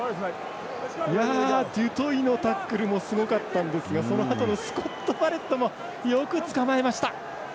デュトイのタックルもすごかったんですがそのあとのスコット・バレットもよくつかまえました。